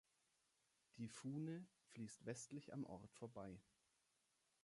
Die Fuhne fließt westlich am Ort vorbei.